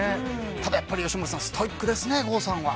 ただ、やっぱり吉村さんストイックですね、郷さんは。